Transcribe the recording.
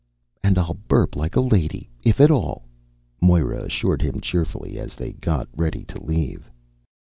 "And I'll burp like a lady, if at all," Moira assured him cheerfully as they got ready to leave.